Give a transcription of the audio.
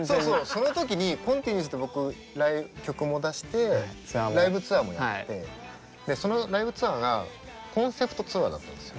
その時に「Ｃｏｎｔｉｎｕｅｓ」って僕曲も出してライブツアーもやってそのライブツアーがコンセプトツアーだったんですよ。